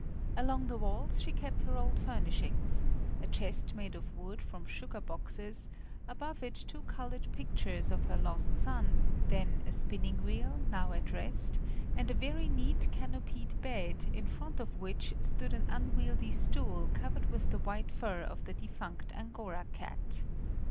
Along the walls she kept her old furnishings; a chest made of wood from sugar boxes, above it two coloured pictures of her lost son, then a spinning wheel, now at rest, and a very neat canopied bed in front of which stood an unwieldy stool covered with the white fur of the defunct Angora cat.